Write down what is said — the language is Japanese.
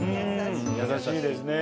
優しいですね。